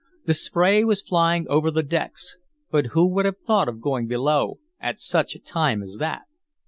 The spray was flying over the decks; but who would have thought of going below at such a time as that?